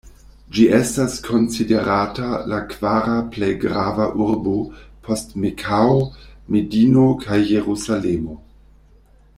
Ĝi estas konsiderata la kvara plej grava urbo post Mekao, Medino kaj "Jerusalemo".